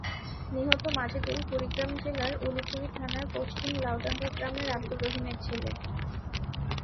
নিহত মাজেদুল কুড়িগ্রাম জেলার উলিপুরি থানার পশ্চিম লাউডাঙ্গা গ্রামের আবদুর রহিমের ছেলে।